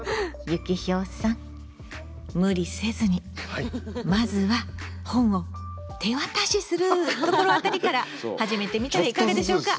ユキヒョウさん無理せずにまずは本を手渡しするところあたりから始めてみたらいかがでしょうか？